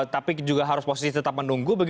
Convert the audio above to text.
tapi juga harus posisi tetap menunggu